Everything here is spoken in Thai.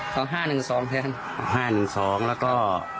๕๑๒แล้วก็